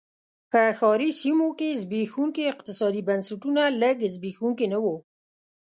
په ښاري سیمو کې زبېښونکي اقتصادي بنسټونه لږ زبېښونکي نه و.